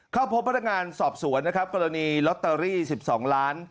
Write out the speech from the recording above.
เข้าพบพนักงานสอบสวนนะครับกรณีลอตเตอรี่๑๒ล้าน